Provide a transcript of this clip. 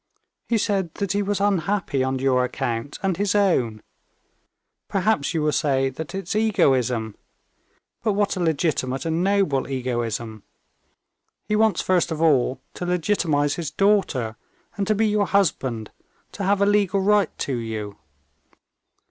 "He said that he was unhappy on your account and his own. Perhaps you will say that it's egoism, but what a legitimate and noble egoism. He wants first of all to legitimize his daughter, and to be your husband, to have a legal right to you."